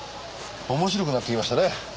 面白くなってきましたね。